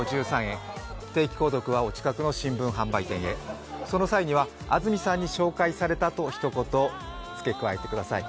定期購読は、お近くの新聞販売店へその際には「安住さんに紹介された」とひと言付け加えてください。